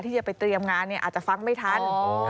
ที่จะไปเตรียมงานอาจจะฟังไม่ทัน